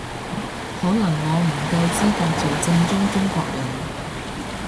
可能我唔夠資格做正宗中國人